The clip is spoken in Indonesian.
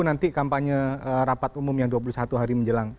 nanti kampanye rapat umum yang dua puluh satu hari menjelang